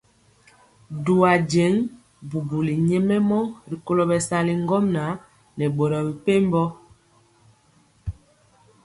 Du ajeŋg bubuli nyɛmemɔ rikolo bɛsali ŋgomnaŋ nɛ boro mepempɔ.